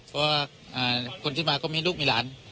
เพราะว่าคนที่มาก็มีลูกมีหลาน